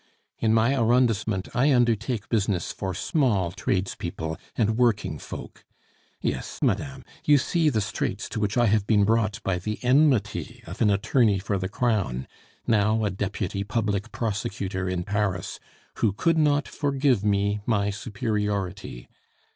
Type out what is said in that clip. In my arrondissement I undertake business for small tradespeople and working folk. Yes, madame, you see the straits to which I have been brought by the enmity of an attorney for the crown, now a deputy public prosecutor in Paris, who could not forgive me my superiority.